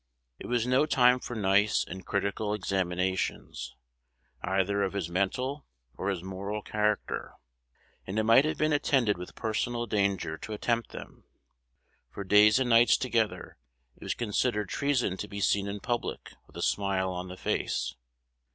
It was no time for nice and critical examinations, either of his mental or his moral character; and it might have been attended with personal danger to attempt them. For days and nights together it was considered treason to be seen in public with a smile on the face.